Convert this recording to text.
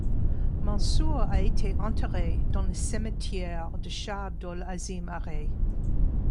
Mansour a été enterré dans le cimetière de Shah Abdol Azim à Rey.